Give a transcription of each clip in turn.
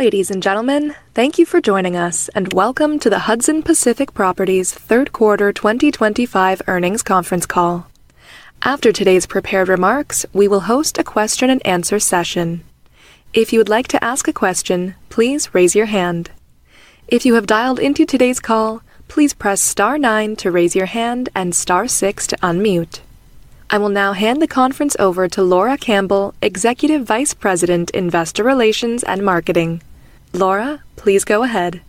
Ladies and gentlemen, thank you for joining us, and welcome to the Hudson Pacific Properties third quarter 2025 earnings conference call. After today's prepared remarks, we will host a question-and-answer session. If you would like to ask a question, please raise your hand. If you have dialed into today's call, please press star nine to raise your hand and star six to unmute. I will now hand the conference over to Laura Campbell, Executive Vice President, Investor Relations and Marketing. Laura, please go ahead.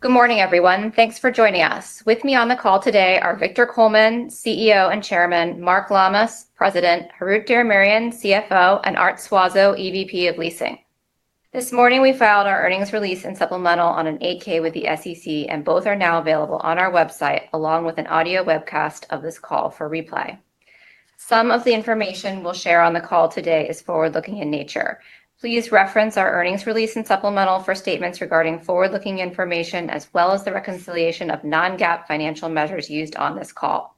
Good morning, everyone. Thanks for joining us. With me on the call today are Victor Coleman, CEO and Chairman; Mark Lammas, President; Harout Diramarian, CFO; and Art Suazo, EVP of Leasing. This morning we filed our earnings release and supplemental on an 8-K with the SEC, and both are now available on our website, along with an audio webcast of this call for replay. Some of the information we'll share on the call today is forward-looking in nature. Please reference our earnings release and supplemental for statements regarding forward-looking information, as well as the reconciliation of non-GAAP financial measures used on this call.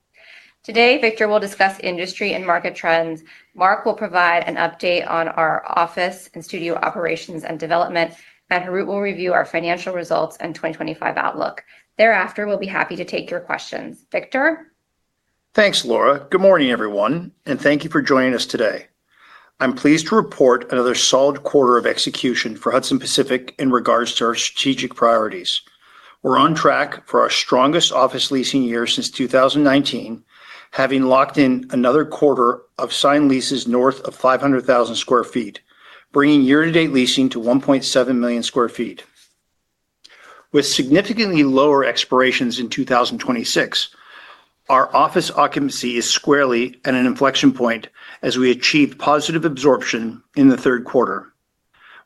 Today, Victor will discuss industry and market trends. Mark will provide an update on our office and studio operations and development, and Harout will review our financial results and 2025 outlook. Thereafter, we'll be happy to take your questions. Victor? Thanks, Laura. Good morning, everyone, and thank you for joining us today. I'm pleased to report another solid quarter of execution for Hudson Pacific in regards to our strategic priorities. We're on track for our strongest office leasing year since 2019, having locked in another quarter of signed leases north of 500,000 sq ft, bringing year-to-date leasing to 1.7 million sq ft. With significantly lower expirations in 2026. Our office occupancy is squarely at an inflection point as we achieved positive absorption in the third quarter.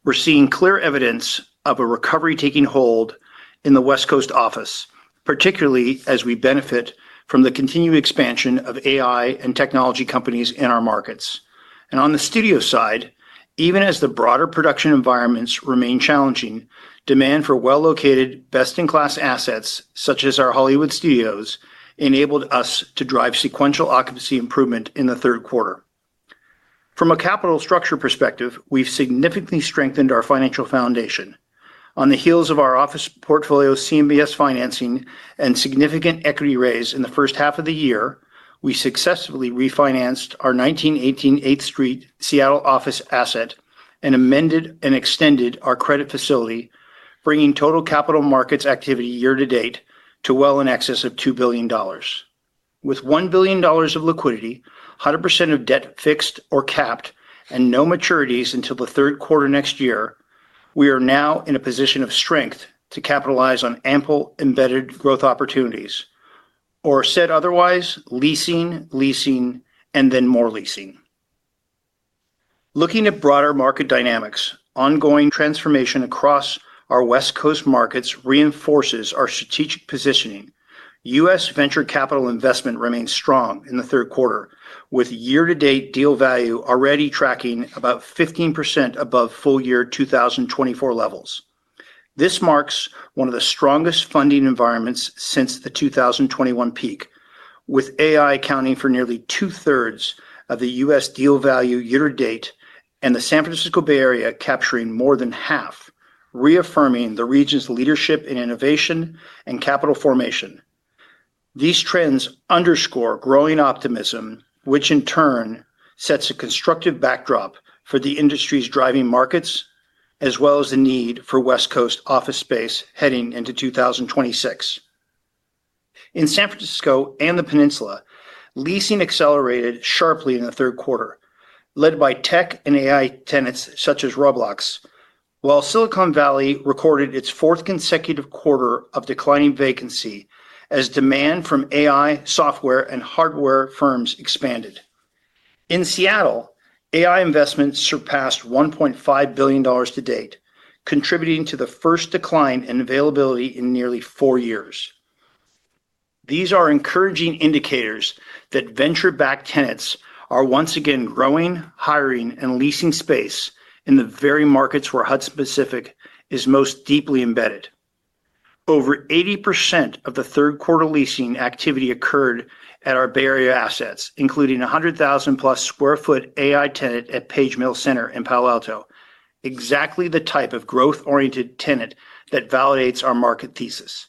We're seeing clear evidence of a recovery taking hold in the West Coast office, particularly as we benefit from the continued expansion of AI and technology companies in our markets. On the studio side, even as the broader production environments remain challenging, demand for well-located, best-in-class assets such as our Hollywood studios enabled us to drive sequential occupancy improvement in the third quarter. From a capital structure perspective, we have significantly strengthened our financial foundation. On the heels of our office portfolio's CMBS financing and significant equity raise in the first half of the year, we successfully refinanced our 1918 8th Street Seattle office asset and amended and extended our credit facility, bringing total capital markets activity year-to-date to well in excess of $2 billion. With $1 billion of liquidity, 100% of debt fixed or capped, and no maturities until the third quarter next year, we are now in a position of strength to capitalize on ample embedded growth opportunities. Or said otherwise, leasing, leasing, and then more leasing. Looking at broader market dynamics, ongoing transformation across our West Coast markets reinforces our strategic positioning. U.S. venture capital investment remains strong in the third quarter, with year-to-date deal value already tracking about 15% above full-year 2024 levels. This marks one of the strongest funding environments since the 2021 peak, with AI accounting for nearly two-thirds of the U.S. deal value year-to-date and the San Francisco Bay Area capturing more than half, reaffirming the region's leadership in innovation and capital formation. These trends underscore growing optimism, which in turn sets a constructive backdrop for the industry's driving markets, as well as the need for West Coast office space heading into 2026. In San Francisco and the Peninsula, leasing accelerated sharply in the third quarter, led by tech and AI tenants such as Roblox, while Silicon Valley recorded its fourth consecutive quarter of declining vacancy as demand from AI software and hardware firms expanded. In Seattle, AI investments surpassed $1.5 billion to date, contributing to the first decline in availability in nearly four years. These are encouraging indicators that venture-backed tenants are once again growing, hiring, and leasing space in the very markets where Hudson Pacific is most deeply embedded. Over 80% of the third-quarter leasing activity occurred at our Bay Area assets, including 100,000+ sq ft AI tenant at Page Mill Center in Palo Alto, exactly the type of growth-oriented tenant that validates our market thesis.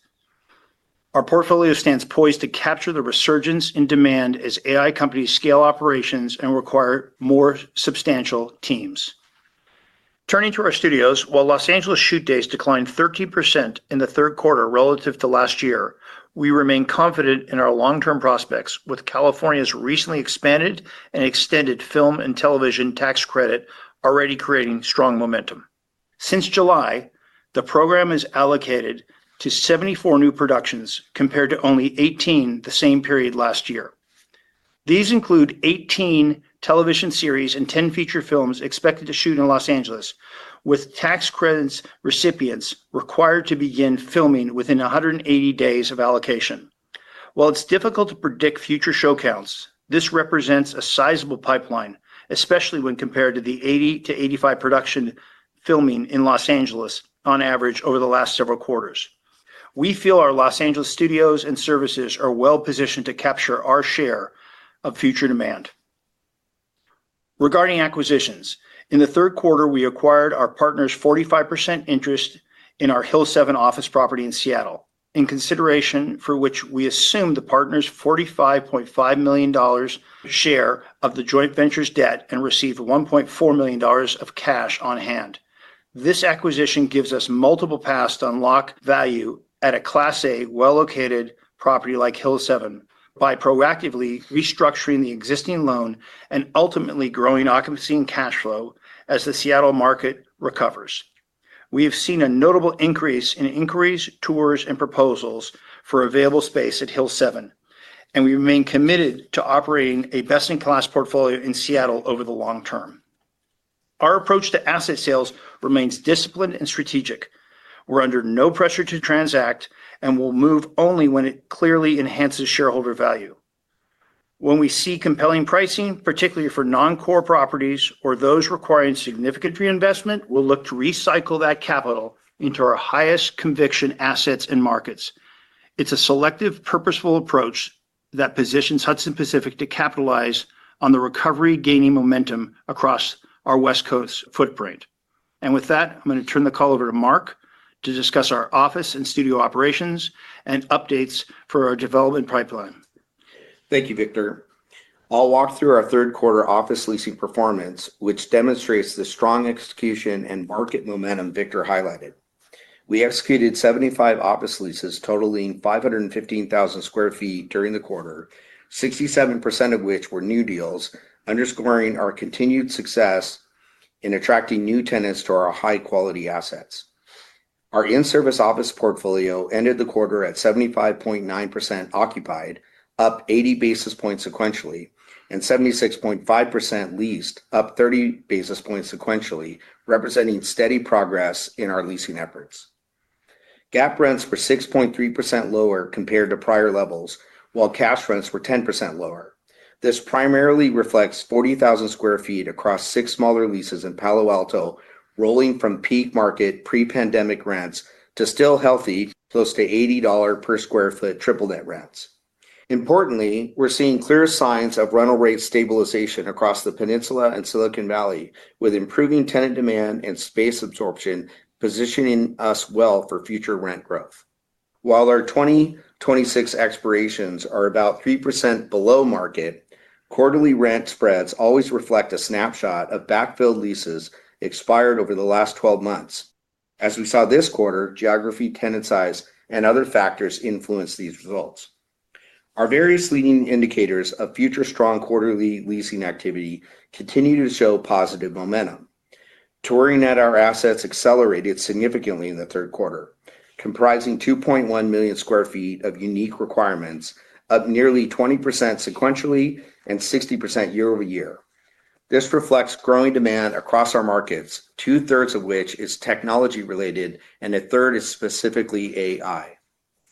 Our portfolio stands poised to capture the resurgence in demand as AI companies scale operations and require more substantial teams. Turning to our studios, while Los Angeles shoot days declined 13% in the third quarter relative to last year, we remain confident in our long-term prospects, with California's recently expanded and extended film and television tax credit already creating strong momentum. Since July, the program is allocated to 74 new productions, compared to only 18 the same period last year. These include 18 television series and 10 feature films expected to shoot in Los Angeles, with tax credit recipients required to begin filming within 180 days of allocation. While it's difficult to predict future show counts, this represents a sizable pipeline, especially when compared to the 80-85 production filming in Los Angeles on average over the last several quarters. We feel our Los Angeles studios and services are well-positioned to capture our share of future demand. Regarding acquisitions, in the third quarter, we acquired our partner's 45% interest in our Hill7 office property in Seattle, in consideration for which we assumed the partner's $45.5 million share of the joint venture's debt and received $1.4 million of cash on hand. This acquisition gives us multiple paths to unlock value at a Class A well-located property like Hill7 by proactively restructuring the existing loan and ultimately growing occupancy and cash flow as the Seattle market recovers. We have seen a notable increase in inquiries, tours, and proposals for available space at Hill7, and we remain committed to operating a best-in-class portfolio in Seattle over the long term. Our approach to asset sales remains disciplined and strategic. We're under no pressure to transact and will move only when it clearly enhances shareholder value. When we see compelling pricing, particularly for non-core properties or those requiring significant reinvestment, we'll look to recycle that capital into our highest conviction assets and markets. It's a selective, purposeful approach that positions Hudson Pacific to capitalize on the recovery-gaining momentum across our West Coast footprint. With that, I'm going to turn the call over to Mark to discuss our office and studio operations and updates for our development pipeline. Thank you, Victor. I'll walk through our third-quarter office leasing performance, which demonstrates the strong execution and market momentum Victor highlighted. We executed 75 office leases, totaling 515,000 sq ft during the quarter, 67% of which were new deals, underscoring our continued success in attracting new tenants to our high-quality assets. Our in-service office portfolio ended the quarter at 75.9% occupied, up 80 basis points sequentially, and 76.5% leased, up 30 basis points sequentially, representing steady progress in our leasing efforts. GAAP rents were 6.3% lower compared to prior levels, while cash rents were 10% lower. This primarily reflects 40,000 sq ft across six smaller leases in Palo Alto, rolling from peak market pre-pandemic rents to still healthy close to $80 per sq ft triple-net rents. Importantly, we're seeing clear signs of rental rate stabilization across the Peninsula and Silicon Valley, with improving tenant demand and space absorption positioning us well for future rent growth. While our 2026 expirations are about 3% below market, quarterly rent spreads always reflect a snapshot of backfilled leases expired over the last 12 months. As we saw this quarter, geography, tenant size, and other factors influenced these results. Our various leading indicators of future strong quarterly leasing activity continue to show positive momentum. Touring at our assets accelerated significantly in the third quarter, comprising 2.1 million sq ft of unique requirements, up nearly 20% sequentially and 60% year-over-year. This reflects growing demand across our markets, two-thirds of which is technology-related and a third is specifically AI.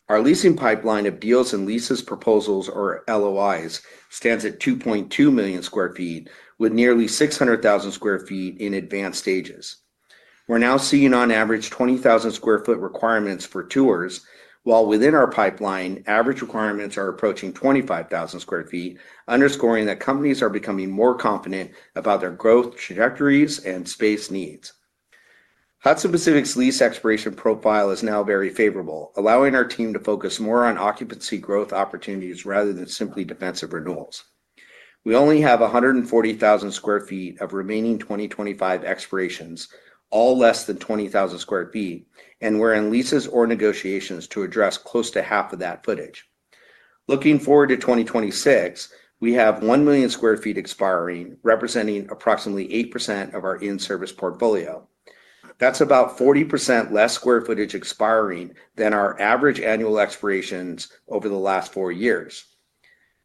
Our leasing pipeline of deals and lease proposals or LOIs stands at 2.2 million sq ft, with nearly 600,000 sq ft in advanced stages. We're now seeing, on average, 20,000 sq ft requirements for tours, while within our pipeline, average requirements are approaching 25,000 sq ft, underscoring that companies are becoming more confident about their growth trajectories and space needs. Hudson Pacific's lease expiration profile is now very favorable, allowing our team to focus more on occupancy growth opportunities rather than simply defensive renewals. We only have 140,000 sq ft of remaining 2025 expirations, all less than 20,000 sq ft, and we're in leases or negotiations to address close to half of that footage. Looking forward to 2026, we have 1 million sq ft expiring, representing approximately 8% of our in-service portfolio. That's about 40% less sq ft expiring than our average annual expirations over the last four years.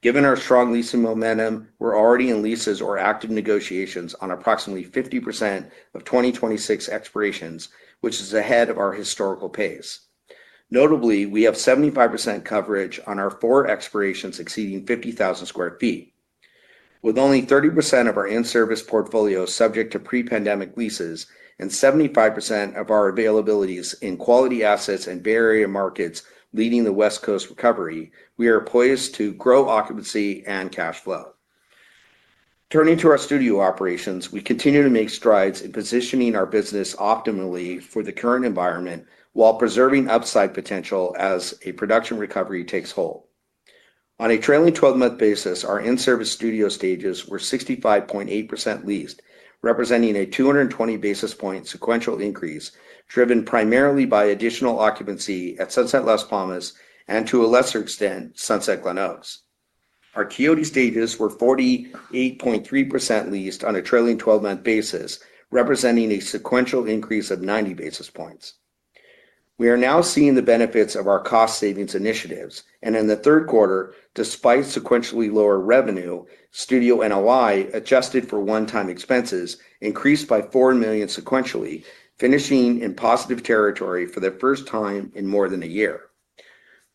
Given our strong leasing momentum, we're already in leases or active negotiations on approximately 50% of 2026 expirations, which is ahead of our historical pace. Notably, we have 75% coverage on our four expirations exceeding 50,000 sq ft, with only 30% of our in-service portfolio subject to pre-pandemic leases and 75% of our availabilities in quality assets and Bay Area markets leading the West Coast recovery. We are poised to grow occupancy and cash flow. Turning to our studio operations, we continue to make strides in positioning our business optimally for the current environment while preserving upside potential as a production recovery takes hold. On a trailing 12-month basis, our in-service studio stages were 65.8% leased, representing a 220 basis point sequential increase driven primarily by additional occupancy at Sunset Las Palmas and, to a lesser extent, Sunset Glen Oaks. Our Coyote stages were 48.3% leased on a trailing 12-month basis, representing a sequential increase of 90 basis points. We are now seeing the benefits of our cost savings initiatives. In the third quarter, despite sequentially lower revenue, studio NOI adjusted for one-time expenses increased by $4 million sequentially, finishing in positive territory for the first time in more than a year.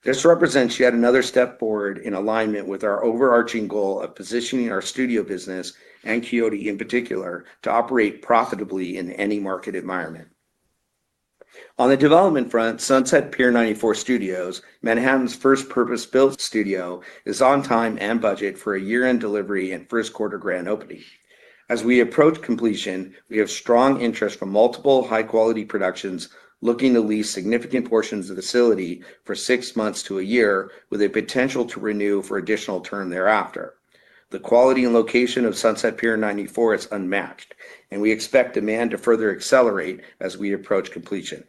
This represents yet another step forward in alignment with our overarching goal of positioning our studio business, and Quixote in particular, to operate profitably in any market environment. On the development front, Sunset Pier 94 Studios, Manhattan's first purpose-built studio, is on time and budget for a year-end delivery and first-quarter grand opening. As we approach completion, we have strong interest from multiple high-quality productions looking to lease significant portions of the facility for six months to a year, with a potential to renew for an additional term thereafter. The quality and location of Sunset Pier 94 is unmatched, and we expect demand to further accelerate as we approach completion.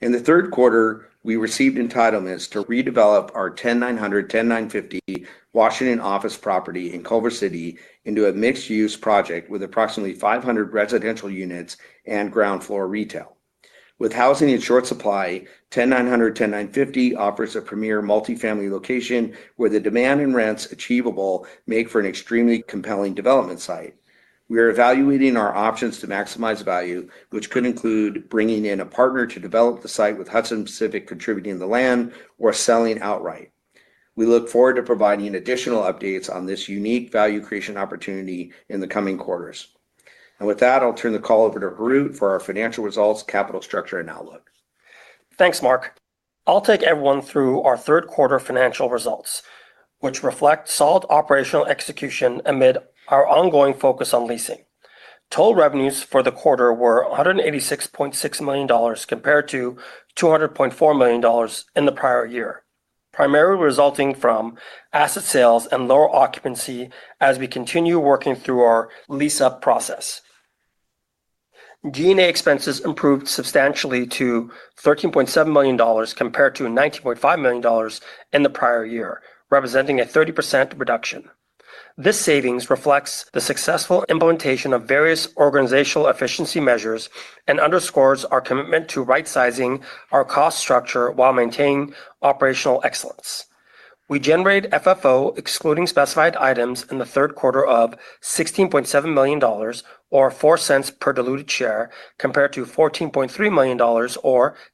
In the third quarter, we received entitlements to redevelop our 10900-10950 Washington office property in Culver City into a mixed-use project with approximately 500 residential units and ground floor retail. With housing in short supply, 10900-10950 offers a premier multifamily location where the demand and rents achievable make for an extremely compelling development site. We are evaluating our options to maximize value, which could include bringing in a partner to develop the site with Hudson Pacific contributing the land or selling outright. We look forward to providing additional updates on this unique value creation opportunity in the coming quarters. I'll turn the call over to Harout for our financial results, capital structure, and outlook. Thanks, Mark. I'll take everyone through our third-quarter financial results, which reflect solid operational execution amid our ongoing focus on leasing. Total revenues for the quarter were $186.6 million compared to $200.4 million in the prior year, primarily resulting from asset sales and lower occupancy as we continue working through our lease-up process. G&A expenses improved substantially to $13.7 million compared to $19.5 million in the prior year, representing a 30% reduction. This savings reflects the successful implementation of various organizational efficiency measures and underscores our commitment to right-sizing our cost structure while maintaining operational excellence. We generated FFO excluding specified items in the third quarter of $16.7 million, or $0.04 per diluted share, compared to $14.3 million, or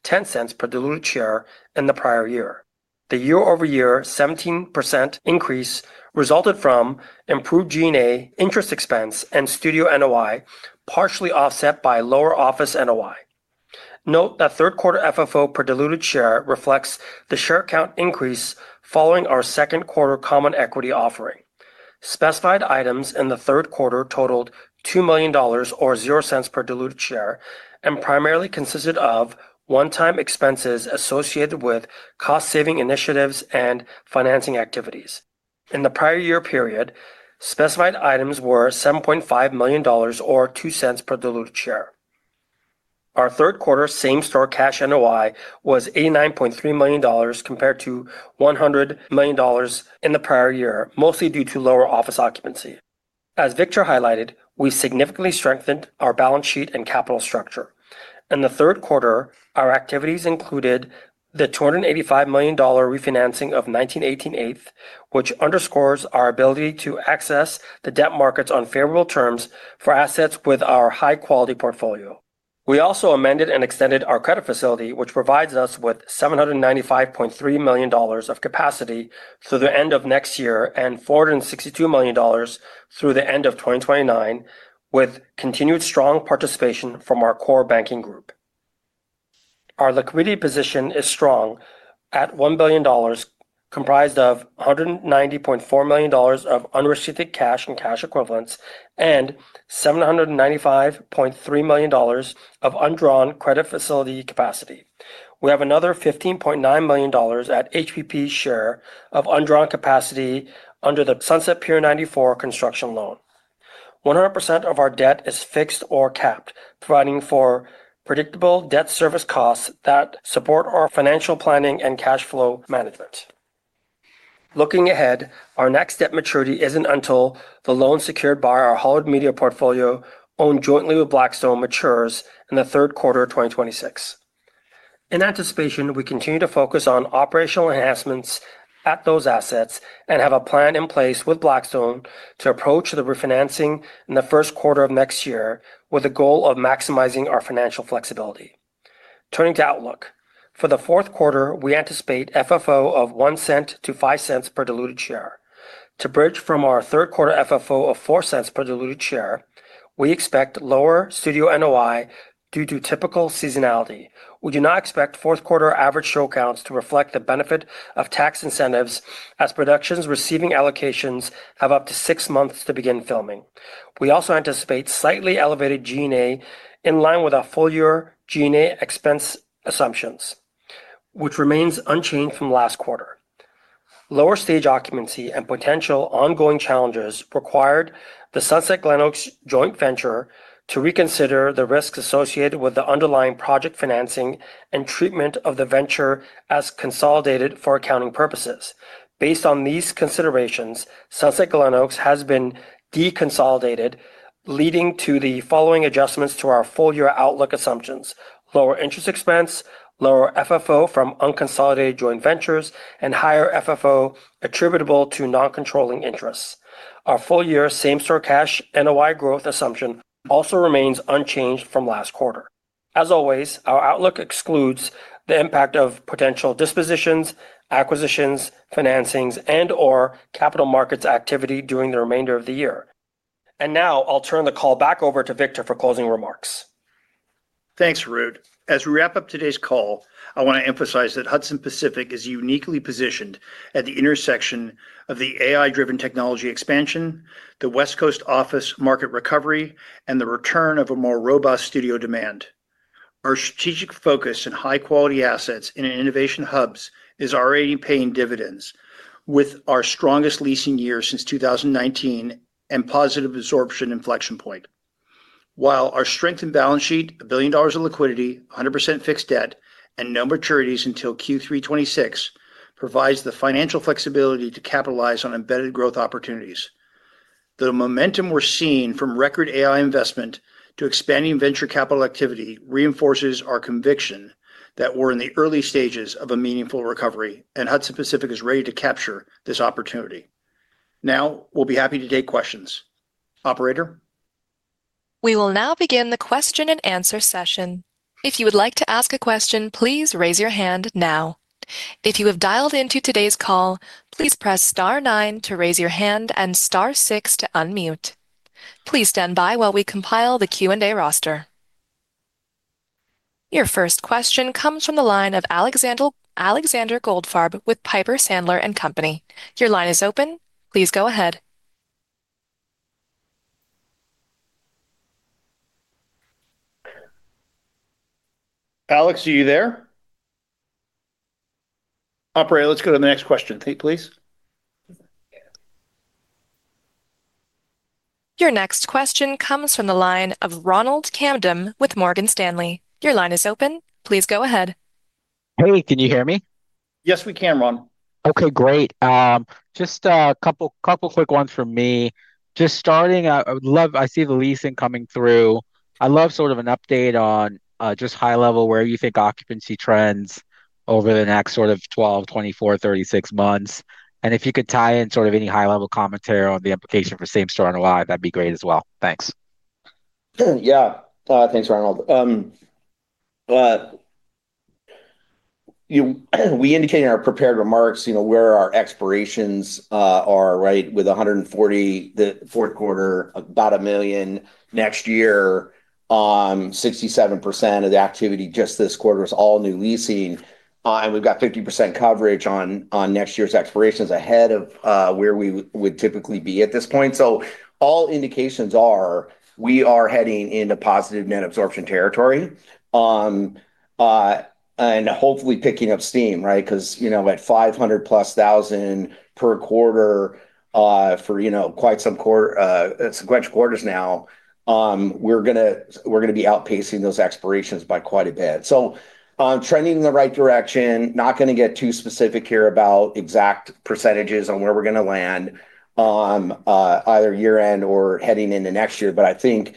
$0.10 per diluted share in the prior year. The year-over-year 17% increase resulted from improved G&A interest expense and studio NOI, partially offset by lower office NOI. Note that third-quarter FFO per diluted share reflects the share count increase following our second-quarter common equity offering. Specified items in the third quarter totaled $2 million, or $0.00 per diluted share, and primarily consisted of one-time expenses associated with cost-saving initiatives and financing activities. In the prior year period, specified items were $7.5 million, or $0.02 per diluted share. Our third-quarter same-store cash NOI was $89.3 million compared to $100 million in the prior year, mostly due to lower office occupancy. As Victor highlighted, we significantly strengthened our balance sheet and capital structure. In the third quarter, our activities included the $285 million refinancing of 1918/8, which underscores our ability to access the debt markets on favorable terms for assets with our high-quality portfolio. We also amended and extended our credit facility, which provides us with $795.3 million of capacity through the end of next year and $462 million through the end of 2029, with continued strong participation from our core banking group. Our liquidity position is strong at $1 billion, comprised of $190.4 million of unreceipted cash and cash equivalents, and $795.3 million of undrawn credit facility capacity. We have another $15.9 million at HPP share of undrawn capacity under the Sunset Pier 94 construction loan. 100% of our debt is fixed or capped, providing for predictable debt service costs that support our financial planning and cash flow management. Looking ahead, our next debt maturity is not until the loan secured by our Hollywood Media portfolio, owned jointly with Blackstone, matures in the third quarter of 2026. In anticipation, we continue to focus on operational enhancements at those assets and have a plan in place with Blackstone to approach the refinancing in the first quarter of next year with the goal of maximizing our financial flexibility. Turning to outlook, for the fourth quarter, we anticipate FFO of $0.01-$0.05 per diluted share. To bridge from our third-quarter FFO of $0.04 per diluted share, we expect lower studio NOI due to typical seasonality. We do not expect fourth-quarter average show counts to reflect the benefit of tax incentives as productions receiving allocations have up to six months to begin filming. We also anticipate slightly elevated G&A in line with our full-year G&A expense assumptions, which remains unchanged from last quarter. Lower stage occupancy and potential ongoing challenges required the Sunset Glen Oaks joint venture to reconsider the risks associated with the underlying project financing and treatment of the venture as consolidated for accounting purposes. Based on these considerations, Sunset Glen Oaks has been deconsolidated, leading to the following adjustments to our full-year outlook assumptions: lower interest expense, lower FFO from unconsolidated joint ventures, and higher FFO attributable to non-controlling interests. Our full-year same-store cash NOI growth assumption also remains unchanged from last quarter. As always, our outlook excludes the impact of potential dispositions, acquisitions, financings, and/or capital markets activity during the remainder of the year. I'll turn the call back over to Victor for closing remarks. Thanks, Harout. As we wrap up today's call, I want to emphasize that Hudson Pacific is uniquely positioned at the intersection of the AI-driven technology expansion, the West Coast office market recovery, and the return of a more robust studio demand. Our strategic focus in high-quality assets and innovation hubs is already paying dividends with our strongest leasing year since 2019 and positive absorption inflection point. While our strength in balance sheet, $1 billion of liquidity, 100% fixed debt, and no maturities until Q3 2026 provides the financial flexibility to capitalize on embedded growth opportunities. The momentum we're seeing from record AI investment to expanding venture capital activity reinforces our conviction that we're in the early stages of a meaningful recovery, and Hudson Pacific is ready to capture this opportunity. Now we'll be happy to take questions. Operator. We will now begin the question and answer session. If you would like to ask a question, please raise your hand now. If you have dialed into today's call, please press star nine to raise your hand and star six to unmute. Please stand by while we compile the Q&A roster. Your first question comes from the line of Alexander Goldfarb with Piper Sandler and Company. Your line is open. Please go ahead. Alex, are you there? Operator, let's go to the next question, please. Your next question comes from the line of Ronald Kamdem with Morgan Stanley. Your line is open. Please go ahead. Hey, can you hear me? Yes, we can, Ron. Okay, great. Just a couple quick ones from me. Just starting, I see the leasing coming through. I'd love sort of an update on just high level where you think occupancy trends over the next sort of 12, 24, 36 months. And if you could tie in sort of any high level commentary on the implication for same-store NOI, that'd be great as well. Thanks. Yeah, thanks, Ronald. We indicate in our prepared remarks where our expirations are, right, with 140 the fourth quarter, about $1 million next year, 67% of the activity just this quarter is all new leasing. We have 50% coverage on next year's expirations ahead of where we would typically be at this point. All indications are we are heading into positive net absorption territory. Hopefully picking up steam, right? Because at $500,000 plus per quarter for quite some sequential quarters now, we are going to be outpacing those expirations by quite a bit. Trending in the right direction, not going to get too specific here about exact percentages on where we are going to land, either year-end or heading into next year, but I think it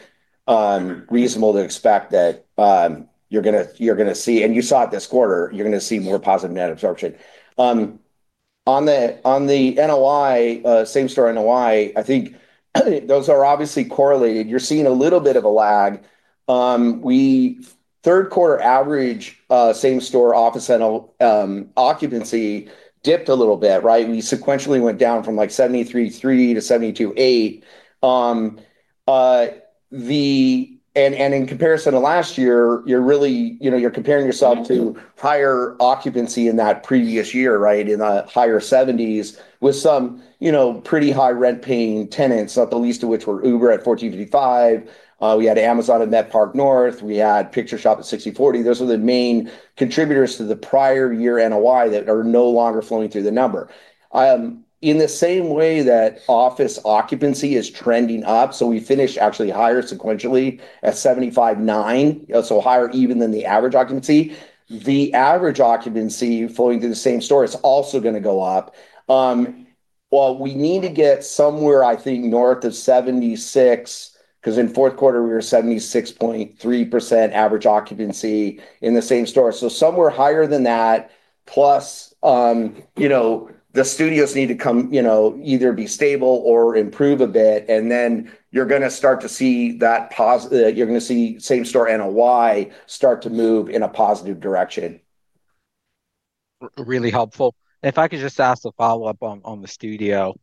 is reasonable to expect that you are going to see, and you saw it this quarter, you are going to see more positive net absorption. On the NOI, same-store NOI, I think. Those are obviously correlated. You're seeing a little bit of a lag. Third-quarter average same-store office occupancy dipped a little bit, right? We sequentially went down from like 73.3% to 72.8%. In comparison to last year, you're comparing yourself to higher occupancy in that previous year, right? In the higher 70s with some pretty high rent-paying tenants, not the least of which were Uber at 14.55. We had Amazon at NetPark North. We had Pixar at 60.40. Those are the main contributors to the prior year NOI that are no longer flowing through the number. In the same way that office occupancy is trending up, we finished actually higher sequentially at 75.9%, so higher even than the average occupancy. The average occupancy flowing through the same store is also going to go up. We need to get somewhere, I think, north of 76, because in fourth quarter we were 76.3% average occupancy in the same store. So somewhere higher than that. Plus, the studios need to either be stable or improve a bit. Then you're going to start to see that. You're going to see same-store NOI start to move in a positive direction. Really helpful. If I could just ask a follow-up on the studio.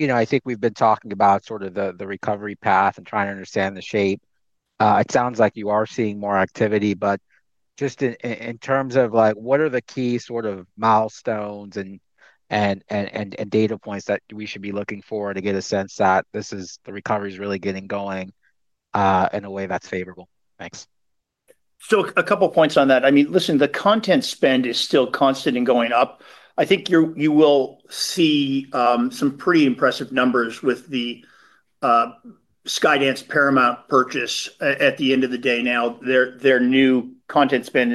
I think we've been talking about sort of the recovery path and trying to understand the shape. It sounds like you are seeing more activity, but just in terms of what are the key sort of milestones and data points that we should be looking for to get a sense that this is the recovery is really getting going. In a way that's favorable. Thanks. A couple of points on that. I mean, listen, the content spend is still constant and going up. I think you will see some pretty impressive numbers with the Skydance Paramount purchase at the end of the day now. Their new content spend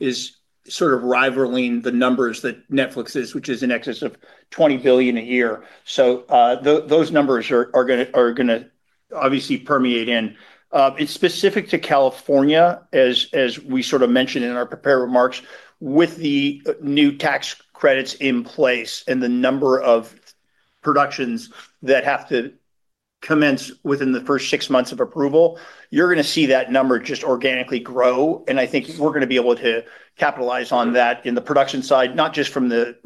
is sort of rivaling the numbers that Netflix is, which is in excess of $20 billion a year. Those numbers are going to obviously permeate in. It is specific to California, as we sort of mentioned in our prepared remarks, with the new tax credits in place and the number of productions that have to commence within the first six months of approval, you are going to see that number just organically grow. I think we are going to be able to capitalize on that in the production side, not just from the.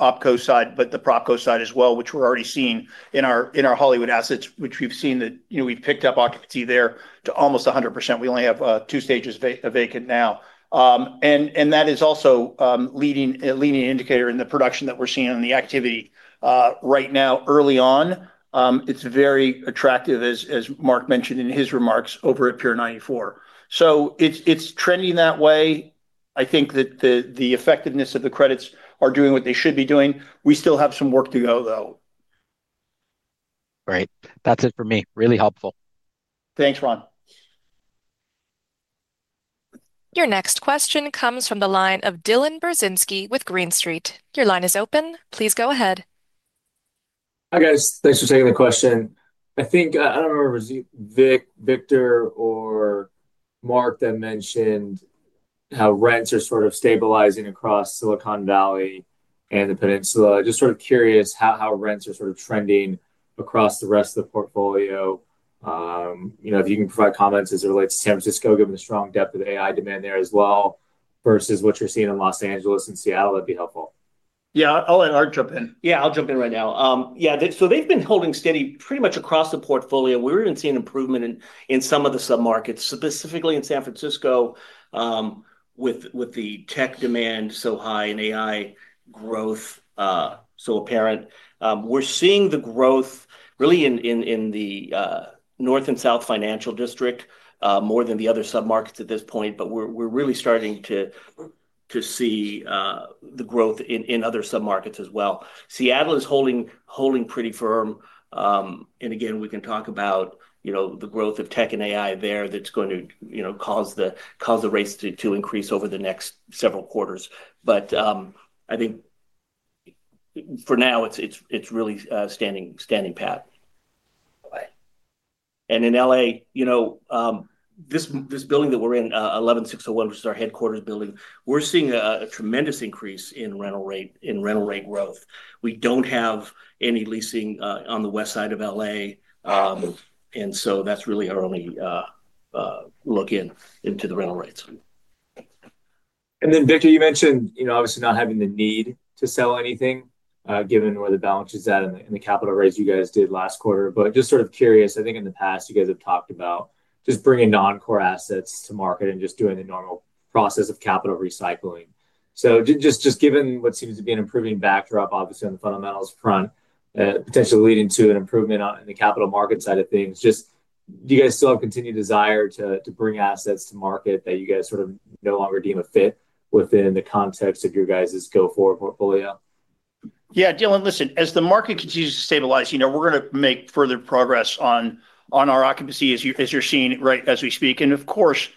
Opco side, but the Propco side as well, which we're already seeing in our Hollywood assets, which we've seen that we've picked up occupancy there to almost 100%. We only have two stages vacant now. That is also a leading indicator in the production that we're seeing on the activity right now. Early on. It's very attractive, as Mark mentioned in his remarks, over at Pier 94. It's trending that way. I think that the effectiveness of the credits are doing what they should be doing. We still have some work to go, though. Great. That's it for me. Really helpful. Thanks, Ron. Your next question comes from the line of Dylan Burzinski with Green Street. Your line is open. Please go ahead. Hi guys. Thanks for taking the question. I think I don't remember if it was Victor or Mark that mentioned how rents are sort of stabilizing across Silicon Valley and the Peninsula. Just sort of curious how rents are sort of trending across the rest of the portfolio. If you can provide comments as it relates to San Francisco, given the strong depth of AI demand there as well, versus what you're seeing in Los Angeles and Seattle, that'd be helpful. Yeah, I'll jump in. Yeah, I'll jump in right now. Yeah, so they've been holding steady pretty much across the portfolio. We're even seeing improvement in some of the submarkets, specifically in San Francisco. With the tech demand so high and AI growth so apparent. We're seeing the growth really in the North and South Financial District, more than the other submarkets at this point, but we're really starting to see the growth in other submarkets as well. Seattle is holding pretty firm. Again, we can talk about the growth of tech and AI there that's going to cause the rates to increase over the next several quarters. I think for now, it's really standing pat. In LA, this building that we're in, 11601, which is our headquarters building, we're seeing a tremendous increase in rental rate growth. We don't have any leasing on the west side of Los Angeles. That's really our only look into the rental rates. Victor, you mentioned obviously not having the need to sell anything, given where the balance is at and the capital raise you guys did last quarter. Just sort of curious, I think in the past, you guys have talked about just bringing non-core assets to market and just doing the normal process of capital recycling. Just given what seems to be an improving backdrop, obviously on the fundamentals front, potentially leading to an improvement in the capital market side of things, do you guys still have continued desire to bring assets to market that you guys sort of no longer deem a fit within the context of your guys' go-forward portfolio? Yeah, Dylan, listen, as the market continues to stabilize, we're going to make further progress on our occupancy as you're seeing it right as we speak. Of course,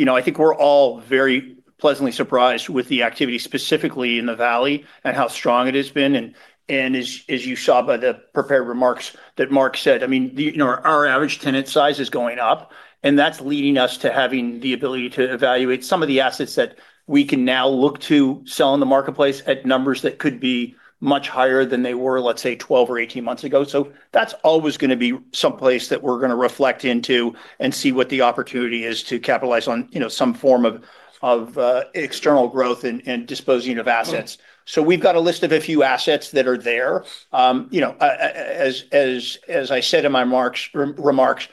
I think we're all very pleasantly surprised with the activity specifically in the valley and how strong it has been. As you saw by the prepared remarks that Mark said, I mean, our average tenant size is going up. That's leading us to having the ability to evaluate some of the assets that we can now look to sell in the marketplace at numbers that could be much higher than they were, let's say, 12 or 18 months ago. That's always going to be someplace that we're going to reflect into and see what the opportunity is to capitalize on some form of external growth and disposing of assets. We have got a list of a few assets that are there. As I said in my remarks,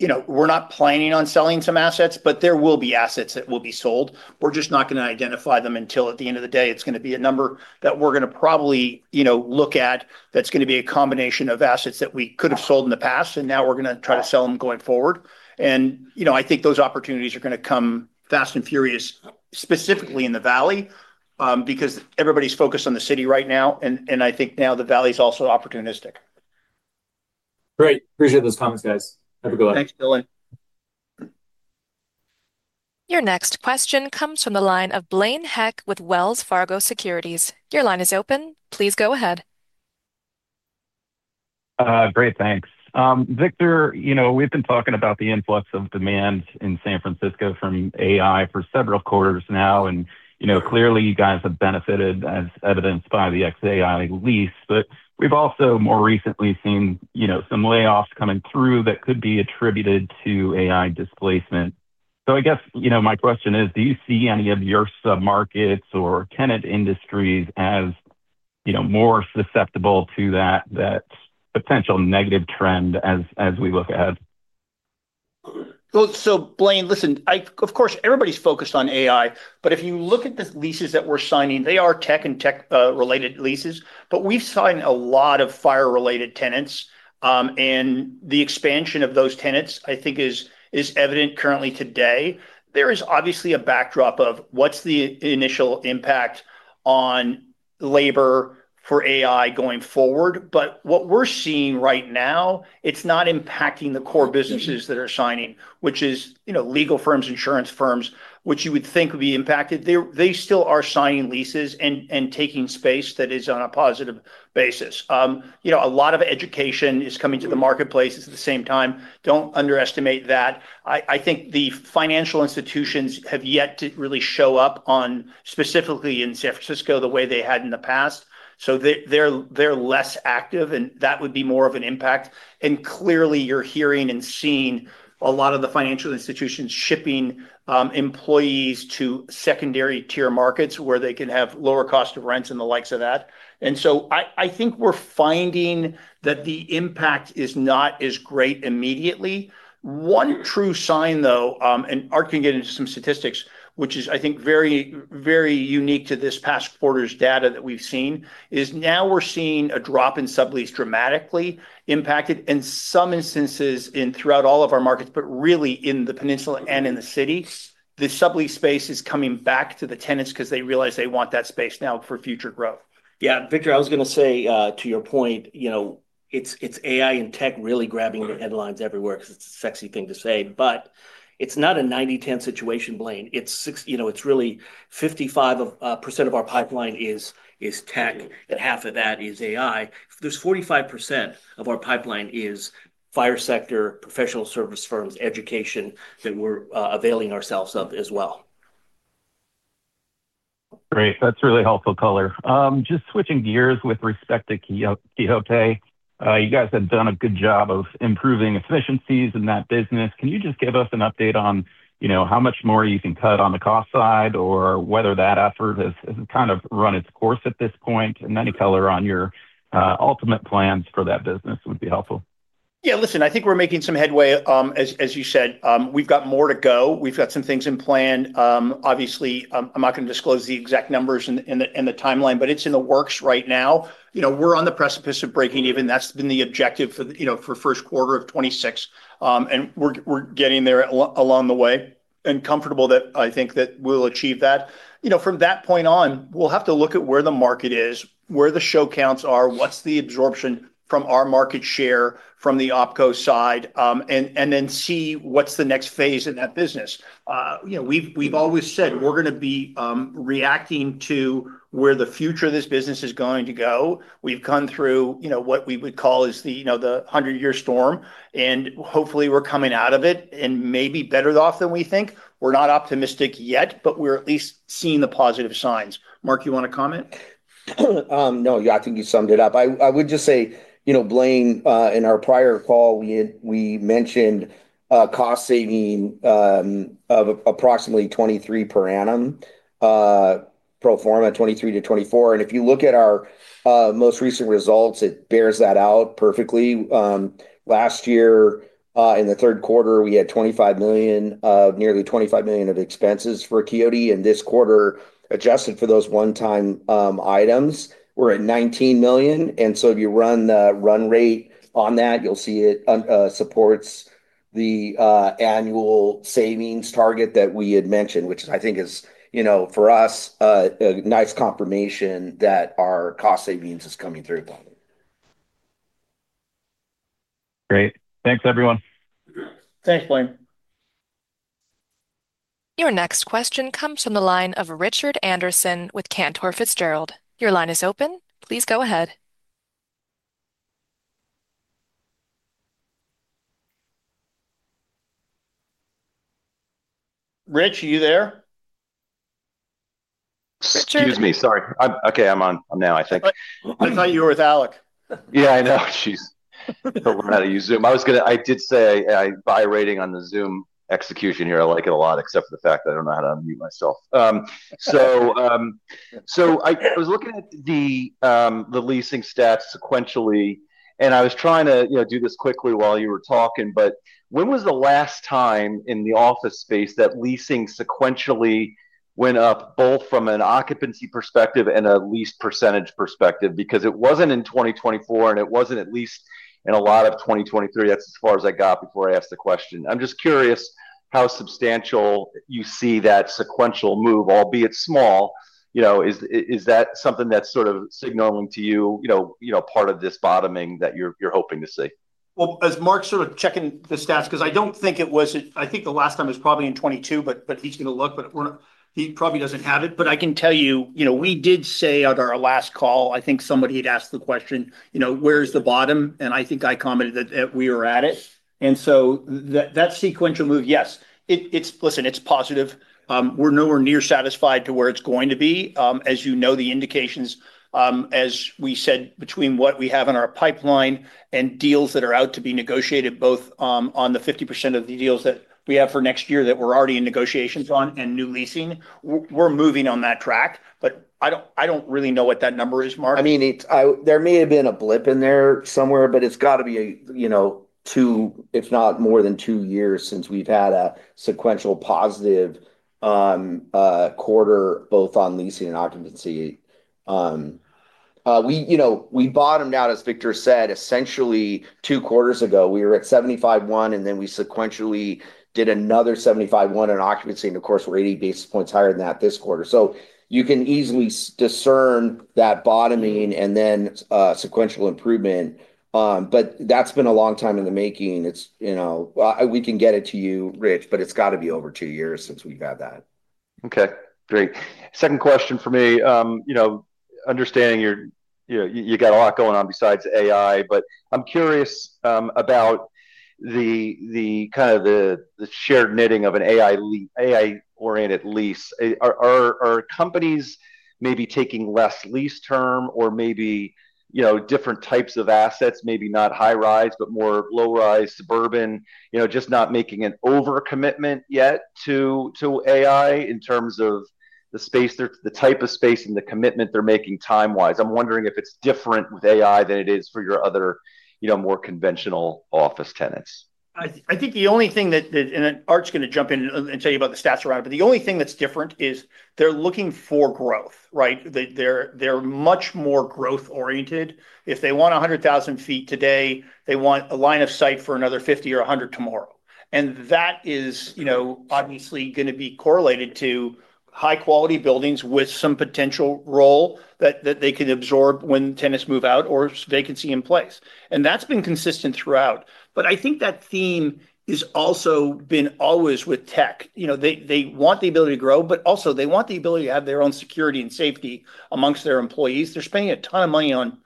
we are not planning on selling some assets, but there will be assets that will be sold. We are just not going to identify them until at the end of the day. It is going to be a number that we are going to probably look at that is going to be a combination of assets that we could have sold in the past, and now we are going to try to sell them going forward. I think those opportunities are going to come fast and furious, specifically in the valley, because everybody is focused on the city right now. I think now the valley is also opportunistic. Great. Appreciate those comments, guys. Have a good one. Thanks, Dylan. Your next question comes from the line of Blaine Heck with Wells Fargo Securities. Your line is open. Please go ahead. Great, thanks. Victor, we've been talking about the influx of demand in San Francisco from AI for several quarters now. Clearly, you guys have benefited, as evidenced by the ex-AI lease. We have also more recently seen some layoffs coming through that could be attributed to AI displacement. I guess my question is, do you see any of your submarkets or tenant industries as more susceptible to that potential negative trend as we look ahead? Blaine, listen, of course, everybody's focused on AI. If you look at the leases that we're signing, they are tech and tech-related leases. We've signed a lot of FIRE-related tenants. The expansion of those tenants, I think, is evident currently today. There is obviously a backdrop of what's the initial impact on labor for AI going forward. What we're seeing right now, it's not impacting the core businesses that are signing, which is legal firms, insurance firms, which you would think would be impacted. They still are signing leases and taking space that is on a positive basis. A lot of education is coming to the marketplace at the same time. Do not underestimate that. I think the financial institutions have yet to really show up specifically in San Francisco the way they had in the past. They're less active, and that would be more of an impact. Clearly, you're hearing and seeing a lot of the financial institutions shipping employees to secondary tier markets where they can have lower cost of rents and the likes of that. I think we're finding that the impact is not as great immediately. One true sign, though, and Art can get into some statistics, which is, I think, very unique to this past quarter's data that we've seen, is now we're seeing a drop in sublease dramatically impacted in some instances throughout all of our markets, but really in the Peninsula and in the city. The sublease space is coming back to the tenants because they realize they want that space now for future growth. Yeah, Victor, I was going to say, to your point. It's AI and tech really grabbing the headlines everywhere because it's a sexy thing to say. It's not a 90/10 situation, Blaine. It's really 55% of our pipeline is tech, and half of that is AI. There's 45% of our pipeline is FIRE sector, professional service firms, education that we're availing ourselves of as well. Great. That's really helpful, Color. Just switching gears with respect to Quixote, you guys have done a good job of improving efficiencies in that business. Can you just give us an update on how much more you can cut on the cost side or whether that effort has kind of run its course at this point? Any color on your ultimate plans for that business would be helpful. Yeah, listen, I think we're making some headway. As you said, we've got more to go. We've got some things in plan. Obviously, I'm not going to disclose the exact numbers and the timeline, but it's in the works right now. We're on the precipice of breaking even. That's been the objective for first quarter of 2026. We're getting there along the way. Comfortable that I think that we'll achieve that. From that point on, we'll have to look at where the market is, where the show counts are, what's the absorption from our market share from the Opco side, and then see what's the next phase in that business. We've always said we're going to be reacting to where the future of this business is going to go. We've gone through what we would call the 100-year storm. Hopefully, we're coming out of it and maybe better off than we think. We're not optimistic yet, but we're at least seeing the positive signs. Mark, you want to comment? No, yeah, I think you summed it up. I would just say, Blaine, in our prior call, we mentioned cost saving of approximately $23 million per annum, pro forma, $23 million to $24 million. If you look at our most recent results, it bears that out perfectly. Last year, in the third quarter, we had $25 million, nearly $25 million of expenses for Quixote. This quarter, adjusted for those one-time items, we are at $19 million. If you run the run rate on that, you will see it supports the annual savings target that we had mentioned, which I think is, for us, a nice confirmation that our cost savings is coming through. Great. Thanks, everyone. Thanks, Blaine. Your next question comes from the line of Richard Anderson with Cantor Fitzgerald. Your line is open. Please go ahead. Rich, are you there? Excuse me. Sorry. Okay, I'm on now, I think. I thought you were with Alex. Yeah, I know. We're not on YouTube. I was going to—I did say I buy rating on the Zoom execution here. I like it a lot, except for the fact that I don't know how to unmute myself. I was looking at the leasing stats sequentially, and I was trying to do this quickly while you were talking, but when was the last time in the office space that leasing sequentially went up, both from an occupancy perspective and a lease percentage perspective? Because it was not in 2024, and it was not at least in a lot of 2023. That is as far as I got before I asked the question. I'm just curious how substantial you see that sequential move, albeit small. Is that something that is sort of signaling to you, part of this bottoming that you're hoping to see? As Mark's sort of checking the stats, because I do not think it was—I think the last time was probably in 2022, but he is going to look, but he probably does not have it. I can tell you, we did say on our last call, I think somebody had asked the question, "Where's the bottom?" I think I commented that we were at it. That sequential move, yes. Listen, it is positive. We are nowhere near satisfied to where it is going to be. As you know, the indications, as we said, between what we have in our pipeline and deals that are out to be negotiated, both on the 50% of the deals that we have for next year that we are already in negotiations on and new leasing, we are moving on that track. I do not really know what that number is, Mark. I mean, there may have been a blip in there somewhere, but it's got to be two, if not more than two years since we've had a sequential positive quarter, both on leasing and occupancy. We bottomed out, as Victor said, essentially two quarters ago. We were at 75.1, and then we sequentially did another 75.1 in occupancy. Of course, we're 80 basis points higher than that this quarter. You can easily discern that bottoming and then sequential improvement. That's been a long time in the making. We can get it to you, Rich, but it's got to be over two years since we've had that. Okay. Great. Second question for me. Understanding you've got a lot going on besides AI, but I'm curious about kind of the shared knitting of an AI-oriented lease. Are companies maybe taking less lease term or maybe different types of assets, maybe not high-rise, but more low-rise, suburban, just not making an overcommitment yet to AI in terms of the space, the type of space, and the commitment they're making time-wise? I'm wondering if it's different with AI than it is for your other more conventional office tenants. I think the only thing that—and Art's going to jump in and tell you about the stats around it—but the only thing that's different is they're looking for growth, right? They're much more growth-oriented. If they want 100,000 sq ft today, they want a line of sight for another 50,000 or 100,000 tomorrow. That is obviously going to be correlated to high-quality buildings with some potential roll that they can absorb when tenants move out or vacancy in place. That has been consistent throughout. I think that theme has also been always with tech. They want the ability to grow, but also they want the ability to have their own security and safety amongst their employees. They're spending a ton of money on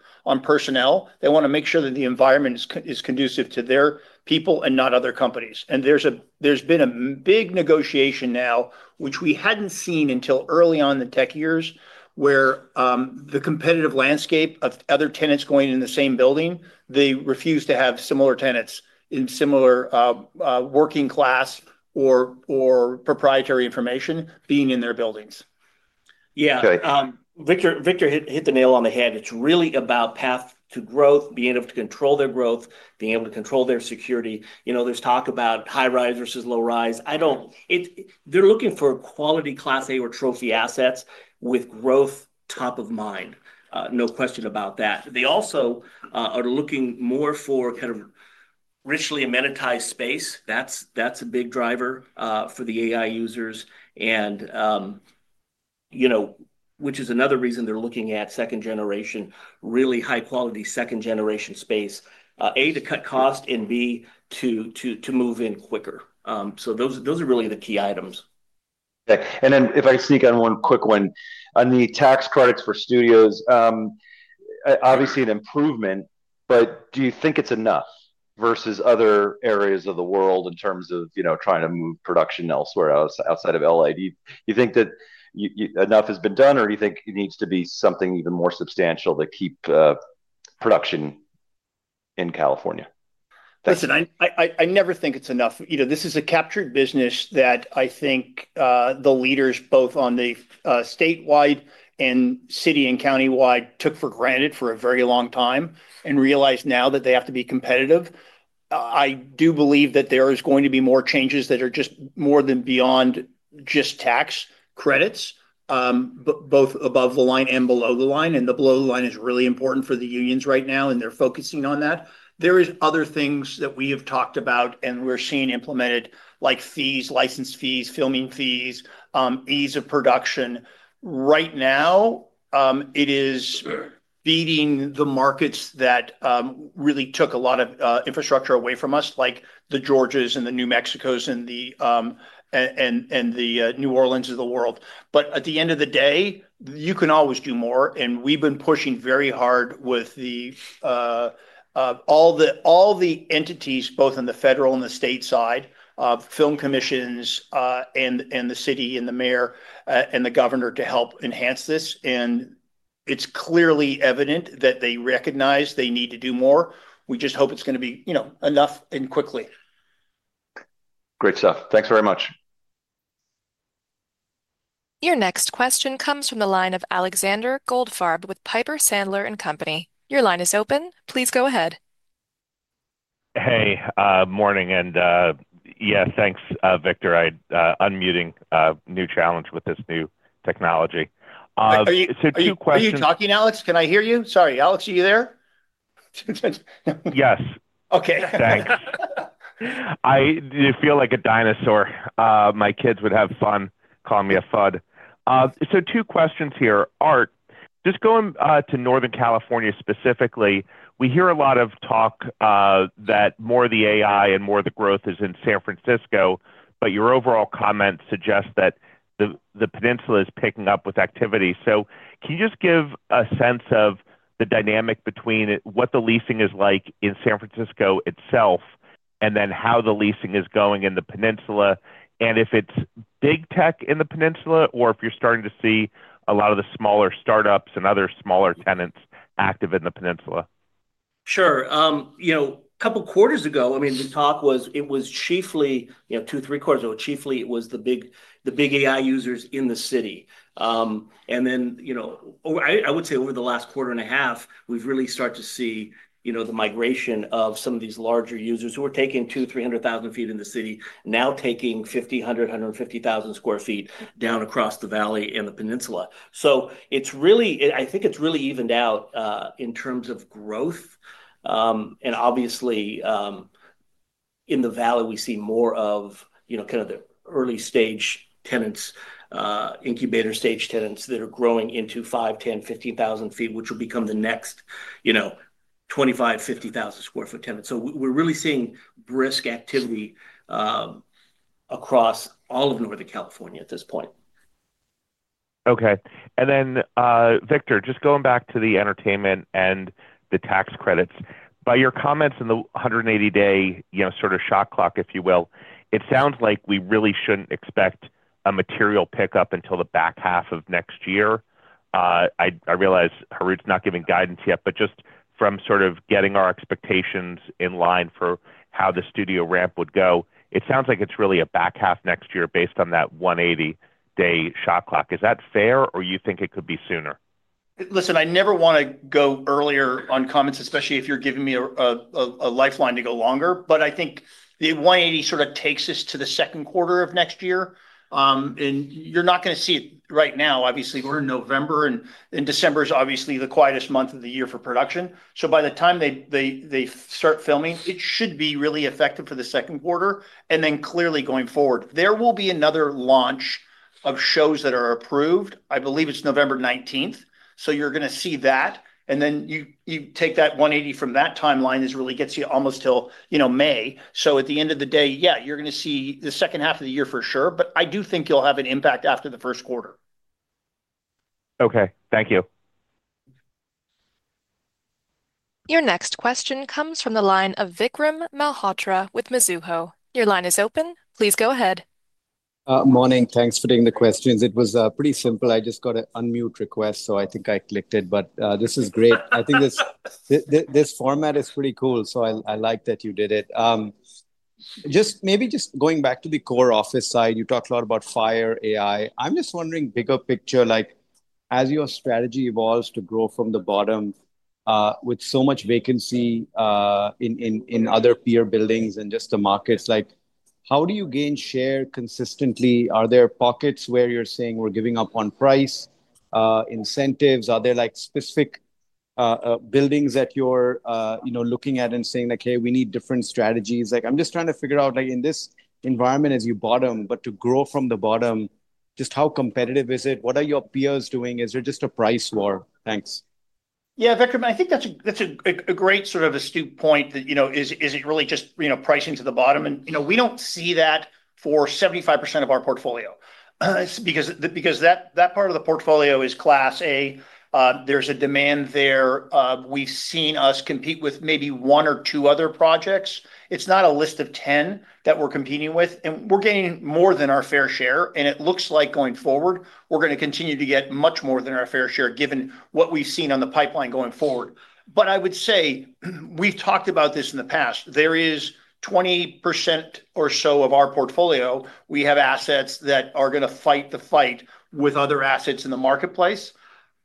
personnel. They want to make sure that the environment is conducive to their people and not other companies. There's been a big negotiation now, which we hadn't seen until early on in the tech years where the competitive landscape of other tenants going in the same building, they refuse to have similar tenants in similar working-class or proprietary information being in their buildings. Yeah. Victor hit the nail on the head. It's really about path to growth, being able to control their growth, being able to control their security. There's talk about high-rise versus low-rise. They're looking for quality Class A or Trophy assets with growth top of mind. No question about that. They also are looking more for kind of richly amenitized space. That's a big driver for the AI users. Which is another reason they're looking at second-generation, really high-quality second-generation space, A, to cut costs, and B, to move in quicker. Those are really the key items. Okay. If I could sneak in one quick one. On the tax credits for studios. Obviously an improvement, but do you think it's enough versus other areas of the world in terms of trying to move production elsewhere outside of Los Angeles? Do you think that enough has been done, or do you think it needs to be something even more substantial to keep production in California? Listen, I never think it's enough. This is a captured business that I think the leaders, both on the statewide and city and countywide, took for granted for a very long time and realized now that they have to be competitive. I do believe that there are going to be more changes that are just more than beyond just tax credits. Both above the line and below the line. The below the line is really important for the unions right now, and they're focusing on that. There are other things that we have talked about and we're seeing implemented, like fees, license fees, filming fees, ease of production. Right now, it is beating the markets that really took a lot of infrastructure away from us, like the Georgias and the New Mexicos and the New Orleans of the world. At the end of the day, you can always do more. We have been pushing very hard with all the entities, both on the federal and the state side, film commissions and the city and the mayor and the governor to help enhance this. It is clearly evident that they recognize they need to do more. We just hope it is going to be enough and quickly. Great stuff. Thanks very much. Your next question comes from the line of Alexander Goldfarb with Piper Sandler and Company. Your line is open. Please go ahead. Hey, morning. Yeah, thanks, Victor. Unmuting a new challenge with this new technology. Two questions. Are you talking, Alex? Can I hear you? Sorry, Alex, are you there? Yes. Okay. Thanks. I feel like a dinosaur. My kids would have fun calling me a fud. Two questions here. Art, just going to Northern California specifically, we hear a lot of talk that more of the AI and more of the growth is in San Francisco, but your overall comment suggests that the peninsula is picking up with activity. Can you just give a sense of the dynamic between what the leasing is like in San Francisco itself and then how the leasing is going in the peninsula? Is it big tech in the peninsula or are you starting to see a lot of the smaller startups and other smaller tenants active in the peninsula? Sure. A couple of quarters ago, I mean, the talk was it was chiefly two, three quarters. Chiefly, it was the big AI users in the city. I would say over the last quarter and a half, we've really started to see the migration of some of these larger users who were taking 200,000-300,000 sq ft in the city, now taking 50,000-150,000 sq ft down across the valley and the peninsula. I think it's really evened out in terms of growth. Obviously, in the valley, we see more of kind of the early-stage tenants, incubator-stage tenants that are growing into 5,000, 10,000, 15,000 sq ft, which will become the next 25,000, 50,000 sq ft tenants. We're really seeing brisk activity across all of Northern California at this point. Okay. Victor, just going back to the entertainment and the tax credits. By your comments in the 180-day sort of shot clock, if you will, it sounds like we really should not expect a material pickup until the back half of next year. I realize Harout's not giving guidance yet, but just from sort of getting our expectations in line for how the studio ramp would go, it sounds like it is really a back half next year based on that 180-day shot clock. Is that fair, or do you think it could be sooner? Listen, I never want to go earlier on comments, especially if you're giving me a lifeline to go longer. I think the 180 sort of takes us to the second quarter of next year. You're not going to see it right now. Obviously, we're in November, and December is obviously the quietest month of the year for production. By the time they start filming, it should be really effective for the second quarter. Clearly going forward, there will be another launch of shows that are approved. I believe it's November 19th. You're going to see that. You take that 180 from that timeline that really gets you almost till May. At the end of the day, yeah, you're going to see the second half of the year for sure. I do think you'll have an impact after the first quarter. Okay. Thank you. Your next question comes from the line of Vikram Malhotra with Mizuho. Your line is open. Please go ahead. Morning. Thanks for taking the questions. It was pretty simple. I just got an unmute request, so I think I clicked it. This is great. I think this format is pretty cool, so I like that you did it. Maybe just going back to the core office side, you talked a lot about FHIR, AI. I'm just wondering, bigger picture, as your strategy evolves to grow from the bottom. With so much vacancy in other peer buildings and just the markets, how do you gain share consistently? Are there pockets where you're saying, "We're giving up on price. Incentives"? Are there specific buildings that you're looking at and saying, "Hey, we need different strategies"? I'm just trying to figure out, in this environment, as you bottom, but to grow from the bottom, just how competitive is it? What are your peers doing? Is there just a price war? Thanks. Yeah, Victor, I think that's a great sort of astute point. Is it really just pricing to the bottom? We do not see that for 75% of our portfolio. Because that part of the portfolio is Class A. There is a demand there. We have seen us compete with maybe one or two other projects. It is not a list of 10 that we are competing with. We are getting more than our fair share. It looks like going forward, we are going to continue to get much more than our fair share given what we have seen on the pipeline going forward. I would say we have talked about this in the past. There is 20% or so of our portfolio. We have assets that are going to fight the fight with other assets in the marketplace.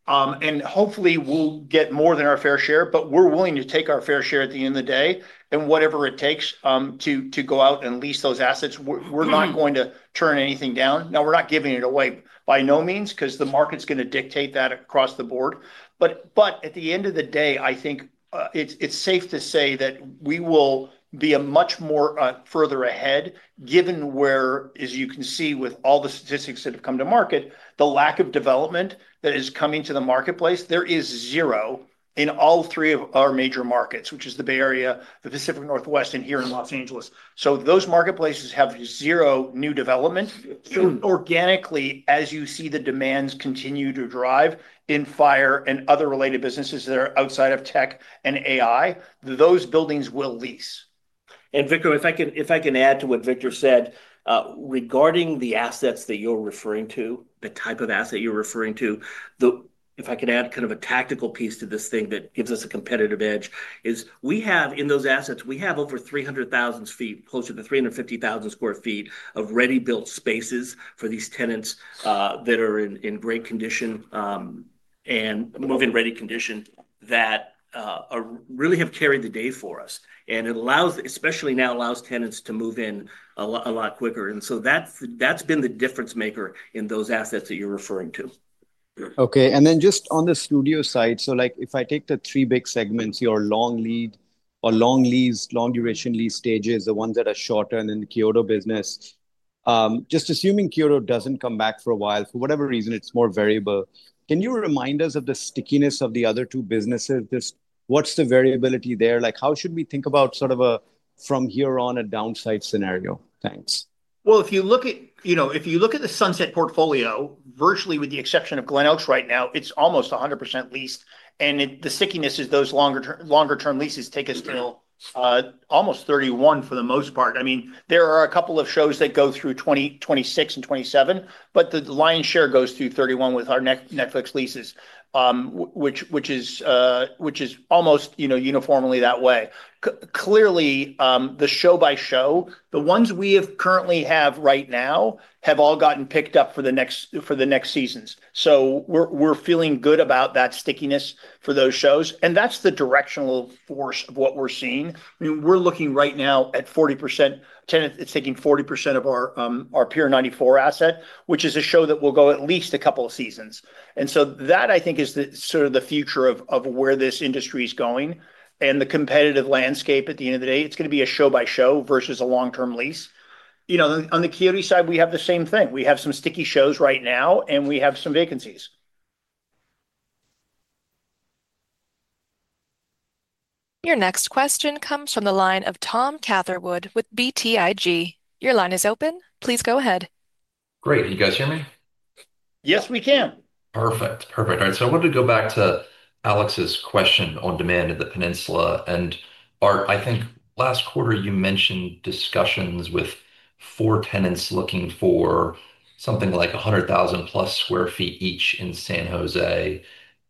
Hopefully, we will get more than our fair share. We're willing to take our fair share at the end of the day and whatever it takes to go out and lease those assets. We're not going to turn anything down. Now, we're not giving it away by no means because the market's going to dictate that across the board. At the end of the day, I think it's safe to say that we will be much further ahead given where, as you can see with all the statistics that have come to market, the lack of development that is coming to the marketplace. There is zero in all three of our major markets, which is the Bay Area, the Pacific Northwest, and here in Los Angeles. Those marketplaces have zero new development. Organically, as you see the demands continue to drive in FHIR and other related businesses that are outside of tech and AI, those buildings will lease. If I can add to what Victor said. Regarding the assets that you are referring to, the type of asset you are referring to. If I can add kind of a tactical piece to this thing that gives us a competitive edge is we have in those assets, we have over 300,000 sq ft, closer to 350,000 sq ft of ready-built spaces for these tenants that are in great condition. In move-in ready condition that really have carried the day for us. It allows, especially now, allows tenants to move in a lot quicker. That has been the difference maker in those assets that you are referring to. Okay. Just on the studio side, if I take the three big segments, your long leads or long lease, long-duration lease stages, the ones that are shorter, and then the Quixote business. Just assuming Quixote does not come back for a while, for whatever reason, it is more variable. Can you remind us of the stickiness of the other two businesses? What is the variability there? How should we think about sort of a from here on a downside scenario? Thanks. If you look at the Sunset portfolio, virtually with the exception of Glen Oaks right now, it is almost 100% leased. The stickiness is those longer-term leases take us to almost 2031 for the most part. I mean, there are a couple of shows that go through 2026 and 2027, but the lion's share goes through 2031 with our Netflix leases, which is almost uniformly that way. Clearly, the show-by-show, the ones we currently have right now have all gotten picked up for the next seasons. I mean, we are feeling good about that stickiness for those shows. That is the directional force of what we are seeing. I mean, we are looking right now at 40%. It is taking 40% of our Pier 94 asset, which is a show that will go at least a couple of seasons. That, I think, is sort of the future of where this industry is going and the competitive landscape at the end of the day. It's going to be a show-by-show versus a long-term lease. On the Quixote side, we have the same thing. We have some sticky shows right now, and we have some vacancies. Your next question comes from the line of Tom Catherwood with BTIG. Your line is open. Please go ahead. Great. You guys hear me? Yes, we can. Perfect. Perfect. All right. I wanted to go back to Alex's question on demand in the peninsula. Art, I think last quarter you mentioned discussions with four tenants looking for something like 100,000+ sq ft each in San Jose.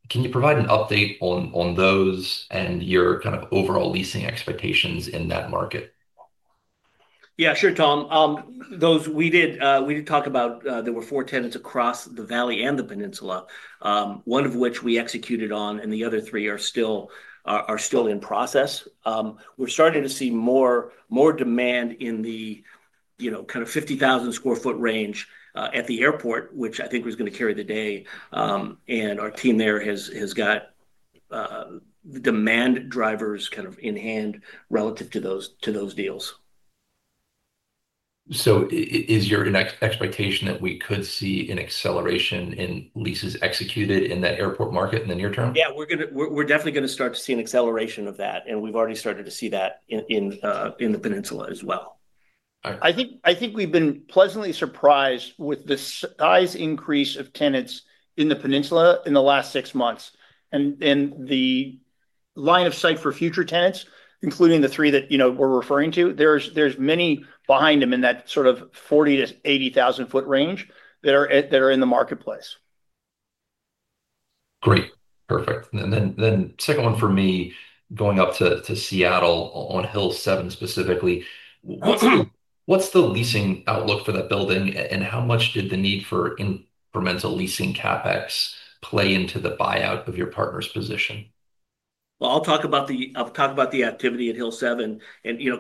Can you provide an update on those and your kind of overall leasing expectations in that market? Yeah, sure, Tom. We did talk about there were four tenants across the valley and the peninsula, one of which we executed on, and the other three are still in process. We're starting to see more demand in the kind of 50,000 sq ft range at the airport, which I think was going to carry the day. And our team there has got the demand drivers kind of in hand relative to those deals. Is your expectation that we could see an acceleration in leases executed in that airport market in the near term? Yeah, we're definitely going to start to see an acceleration of that. We've already started to see that in the peninsula as well. All right. I think we've been pleasantly surprised with the size increase of tenants in the Peninsula in the last six months. The line of sight for future tenants, including the three that we're referring to, there's many behind them in that sort of 40,000-80,000 sq ft range that are in the marketplace. Great. Perfect. Then second one for me, going up to Seattle on Hill7 specifically. What's the leasing outlook for that building, and how much did the need for incremental leasing CapEx play into the buyout of your partner's position? I'll talk about the activity at Hill7.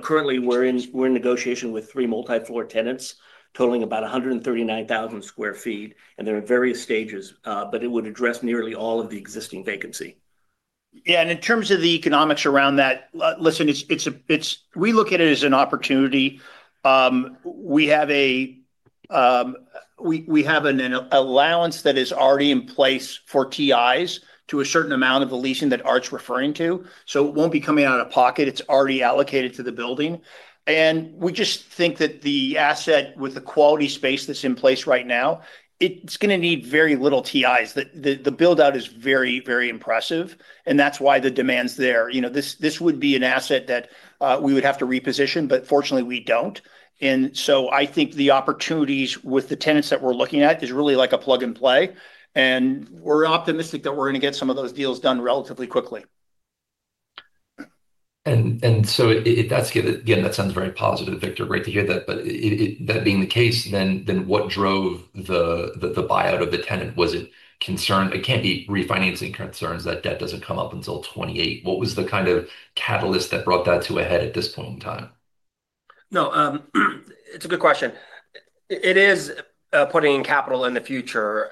Currently, we're in negotiation with three multi-floor tenants totaling about 139,000 sq ft. They're in various stages, but it would address nearly all of the existing vacancy. Yeah. In terms of the economics around that, listen, we look at it as an opportunity. We have an allowance that is already in place for TIs to a certain amount of the leasing that Art's referring to. It won't be coming out of pocket. It's already allocated to the building. We just think that the asset with the quality space that's in place right now, it's going to need very little TIs. The build-out is very, very impressive. That's why the demand's there. This would be an asset that we would have to reposition, but fortunately, we don't. I think the opportunities with the tenants that we're looking at is really like a plug and play. We're optimistic that we're going to get some of those deals done relatively quickly. That sounds very positive, Victor. Great to hear that. That being the case, what drove the buyout of the tenant? Was it concern? It cannot be refinancing concerns. That debt does not come up until 2028. What was the kind of catalyst that brought that to a head at this point in time? No. It's a good question. It is putting in capital in the future.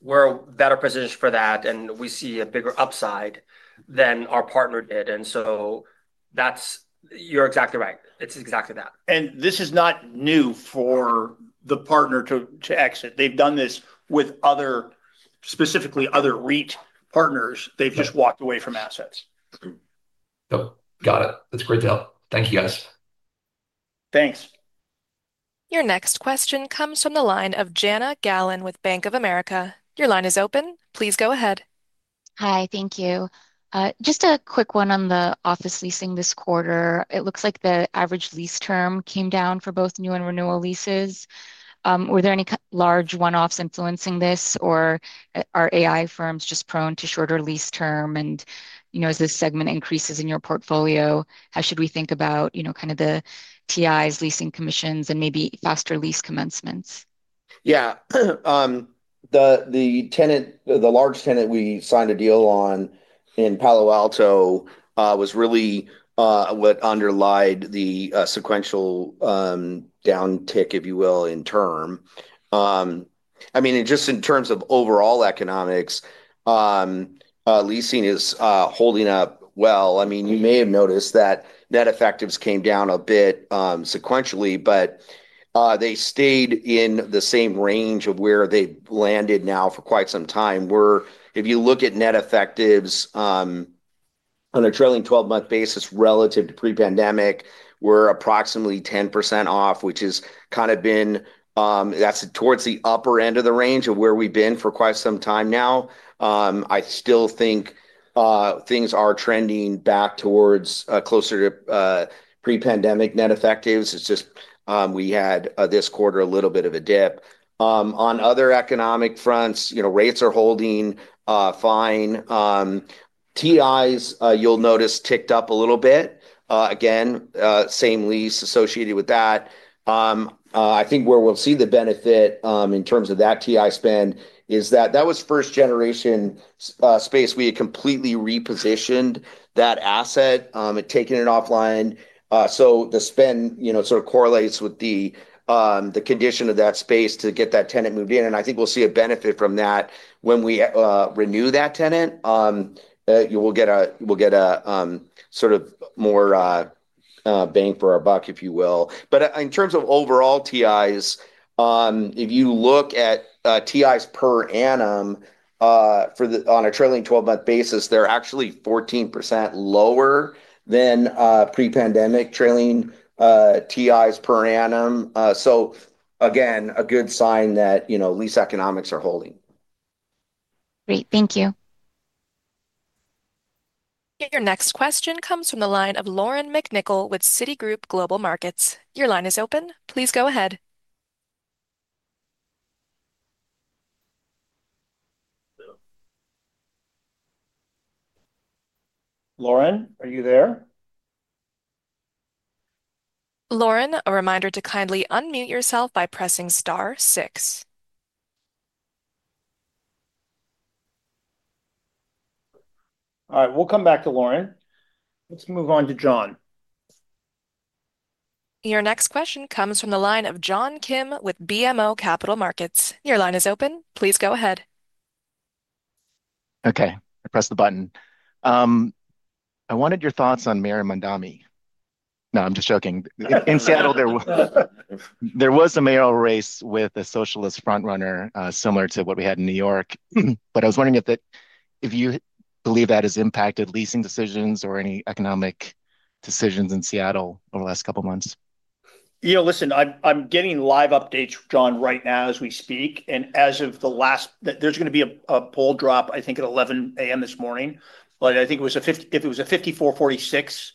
We are better positioned for that, and we see a bigger upside than our partner did. You are exactly right. It is exactly that. This is not new for the partner to exit. They have done this with specifically other REIT partners. They have just walked away from assets. Got it. That's great to help. Thank you, guys. Thanks. Your next question comes from the line of Jana Galan with Bank of America. Your line is open. Please go ahead. Hi. Thank you. Just a quick one on the office leasing this quarter. It looks like the average lease term came down for both new and renewal leases. Were there any large one-offs influencing this, or are AI firms just prone to shorter lease term? As this segment increases in your portfolio, how should we think about kind of the TIs, leasing commissions, and maybe faster lease commencements? Yeah. The large tenant we signed a deal on in Palo Alto was really what underlied the sequential downtick, if you will, in term. I mean, just in terms of overall economics. Leasing is holding up well. I mean, you may have noticed that net effectives came down a bit sequentially, but they stayed in the same range of where they landed now for quite some time. If you look at net effectives on a trailing 12-month basis relative to pre-pandemic, we're approximately 10% off, which has kind of been. That's towards the upper end of the range of where we've been for quite some time now. I still think things are trending back towards closer to pre-pandemic net effectives. It's just we had this quarter a little bit of a dip. On other economic fronts, rates are holding fine. TIs, you'll notice, ticked up a little bit. Again, same lease associated with that. I think where we'll see the benefit in terms of that TI spend is that that was first-generation space. We had completely repositioned that asset, taken it offline. The spend sort of correlates with the condition of that space to get that tenant moved in. I think we'll see a benefit from that when we renew that tenant. We'll get a sort of more bang for our buck, if you will. In terms of overall TIs, if you look at TIs per annum on a trailing 12-month basis, they're actually 14% lower than pre-pandemic trailing TIs per annum. Again, a good sign that lease economics are holding. Great. Thank you. Your next question comes from the line of Lauren McNichol with Citigroup Global Markets. Your line is open. Please go ahead. Lauren, are you there? Lauren, a reminder to kindly unmute yourself by pressing star six. All right. We'll come back to Lauren. Let's move on to John. Your next question comes from the line of John Kim with BMO Capital Markets. Your line is open. Please go ahead. Okay. I pressed the button. I wanted your thoughts on Mayor Mamdani. No, I'm just joking. In Seattle, there was a mayoral race with a socialist front-runner similar to what we had in New York. I was wondering if you believe that has impacted leasing decisions or any economic decisions in Seattle over the last couple of months? Yeah. Listen, I'm getting live updates, John, right now as we speak. As of the last, there's going to be a poll drop, I think, at 11:00 A.M. this morning. I think it was a 54-46.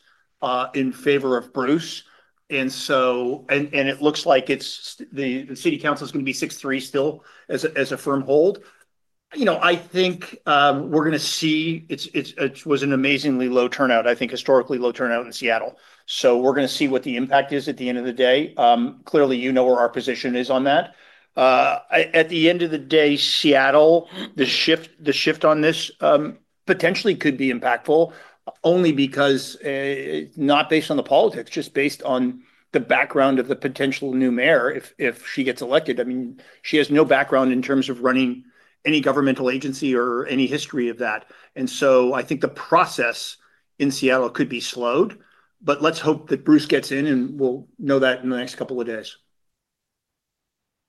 In favor of Bruce. It looks like the city council is going to be 6-3 still as a firm hold. I think we're going to see it was an amazingly low turnout, I think, historically low turnout in Seattle. We're going to see what the impact is at the end of the day. Clearly, you know where our position is on that. At the end of the day, Seattle, the shift on this potentially could be impactful only because. Not based on the politics, just based on the background of the potential new mayor if she gets elected. I mean, she has no background in terms of running any governmental agency or any history of that. I think the process in Seattle could be slowed. Let's hope that Bruce gets in, and we'll know that in the next couple of days.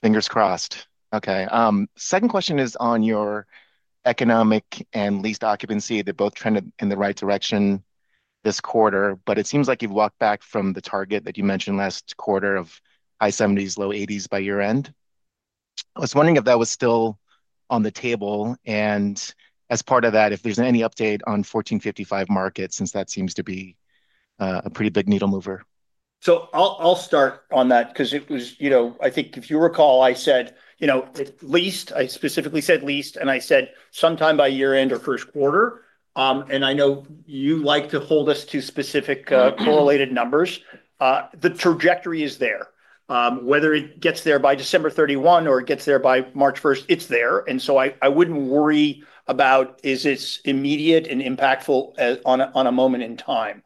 Fingers crossed. Okay. Second question is on your economic and leased occupancy. They're both trending in the right direction this quarter, but it seems like you've walked back from the target that you mentioned last quarter of high 70s-low 80s by year-end. I was wondering if that was still on the table. As part of that, if there's any update on 1455 Market, since that seems to be a pretty big needle mover. I'll start on that because it was, I think, if you recall, I said. Leased, I specifically said leased, and I said sometime by year-end or first quarter. I know you like to hold us to specific correlated numbers. The trajectory is there. Whether it gets there by December 31 or it gets there by March 1, it's there. I wouldn't worry about is it immediate and impactful on a moment in time.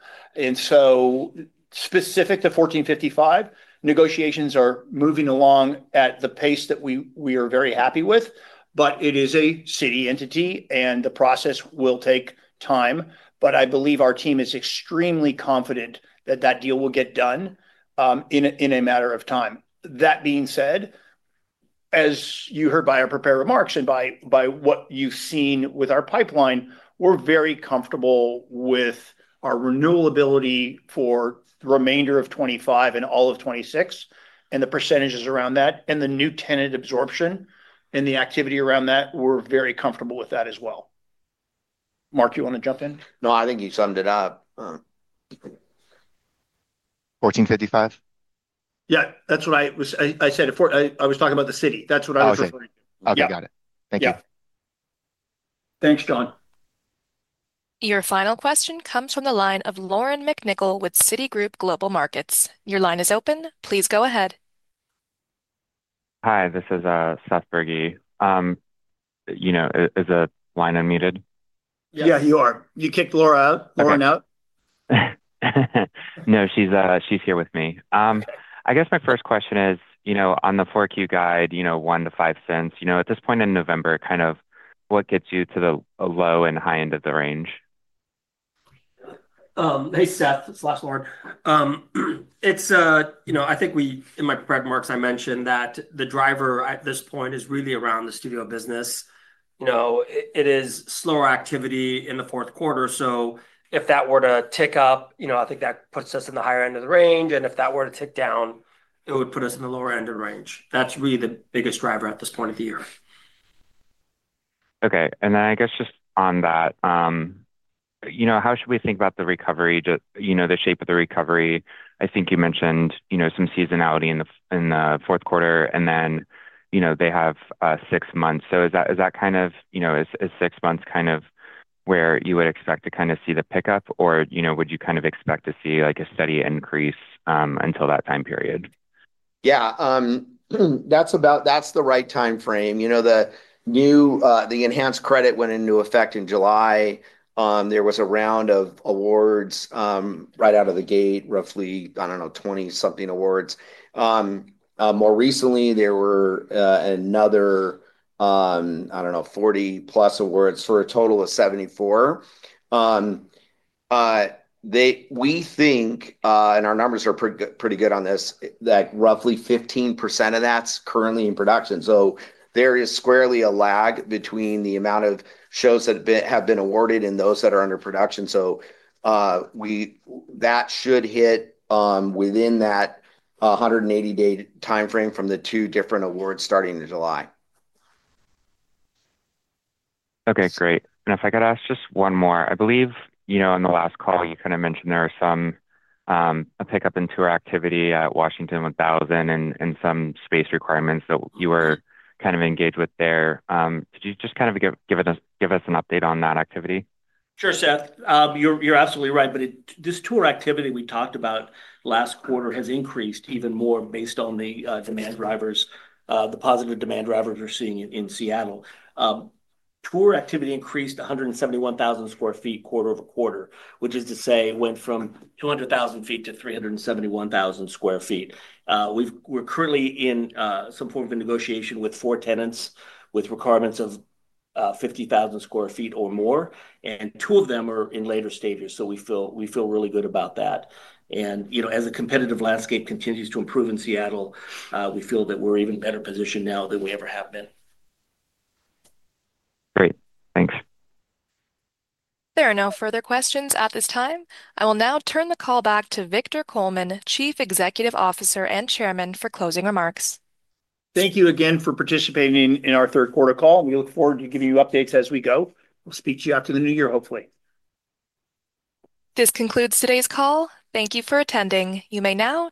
Specific to 1455, negotiations are moving along at the pace that we are very happy with. It is a city entity, and the process will take time. I believe our team is extremely confident that that deal will get done in a matter of time. That being said. As you heard by our prepared remarks and by what you've seen with our pipeline, we're very comfortable with our renewal ability for the remainder of 2025 and all of 2026 and the percentages around that and the new tenant absorption and the activity around that. We're very comfortable with that as well. Mark, you want to jump in? No, I think you summed it up. 1455? Yeah. That's what I said. I was talking about the city. That's what I was referring to. Okay. Got it. Thank you. Thanks, John. Your final question comes from the line of Lauren McNichol with Citigroup Global Markets. Your line is open. Please go ahead. Hi. This is Seth Bergey. Is the line unmuted? Yeah, you are. You kicked Laura out. No, she's here with me. I guess my first question is, on the forecast you guide, $0.01-$0.05, at this point in November, kind of what gets you to the low and high end of the range? Hey, Seth/Lauren. I think in my prepared remarks, I mentioned that the driver at this point is really around the studio business. It is slower activity in the fourth quarter. If that were to tick up, I think that puts us in the higher end of the range. If that were to tick down, it would put us in the lower end of the range. That is really the biggest driver at this point of the year. Okay. I guess just on that, how should we think about the recovery, the shape of the recovery? I think you mentioned some seasonality in the fourth quarter, and then they have six months. Is six months kind of where you would expect to kind of see the pickup, or would you kind of expect to see a steady increase until that time period? Yeah. That's the right time frame. The enhanced credit went into effect in July. There was a round of awards right out of the gate, roughly, I don't know, 20-something awards. More recently, there were another, I don't know, 40-plus awards for a total of 74. We think, and our numbers are pretty good on this, that roughly 15% of that's currently in production. There is squarely a lag between the amount of shows that have been awarded and those that are under production. That should hit within that 180-day time frame from the two different awards starting in July. Okay. Great. If I could ask just one more, I believe on the last call, you kind of mentioned there was some pickup in tour activity at Washington 1000 and some space requirements that you were kind of engaged with there. Could you just kind of give us an update on that activity? Sure, Seth. You're absolutely right. This tour activity we talked about last quarter has increased even more based on the demand drivers, the positive demand drivers we're seeing in Seattle. Tour activity increased 171,000 sq ft quarter over quarter, which is to say went from 200,000 sq ft to 371,000 sq ft. We're currently in some form of a negotiation with four tenants with requirements of 50,000 sq ft or more. Two of them are in later stages. We feel really good about that. As the competitive landscape continues to improve in Seattle, we feel that we're in a better position now than we ever have been. Great. Thanks. There are no further questions at this time. I will now turn the call back to Victor Coleman, Chief Executive Officer and Chairman, for closing remarks. Thank you again for participating in our third quarter call. We look forward to giving you updates as we go. We'll speak to you after the New Year, hopefully. This concludes today's call. Thank you for attending. You may now.